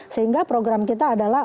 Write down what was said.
sehingga program kita adalah